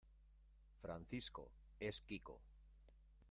Francisco es quico.